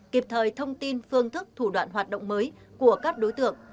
kịp thời thông tin phương thức thủ đoạn hoạt động mới của các đối tượng